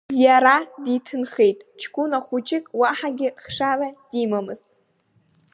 Иара диҭынхеит ҷкәына хәыҷык, уаҳагьы хшара димамызт.